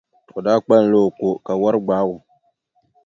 O daa kpalimla o ko, ka wari gbaagi o.